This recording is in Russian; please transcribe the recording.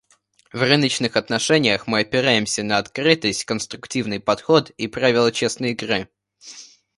В рыночных отношениях мы опираемся на открытость, конструктивный подход и правила «честной игры».